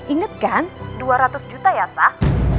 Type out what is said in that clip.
ingat kan dua ratus juta ya sah